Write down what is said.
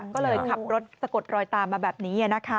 ก็เลยขับรถสะกดรอยตามมาแบบนี้